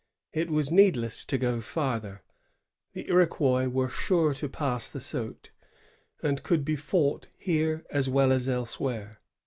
It was needless to go farther. The Iroquois were sure to pass the Saut, and could be fought here as well as elsewhere.